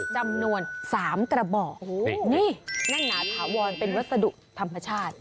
จำนวนสามกระบอกโอ้โหนี่นั่งหนาถาวรเป็นวัสดุธรรมชาติ